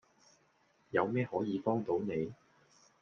有咩幫可以到你?